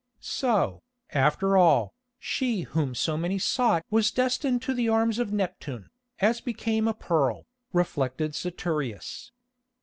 "So, after all, she whom so many sought was destined to the arms of Neptune, as became a pearl," reflected Saturius.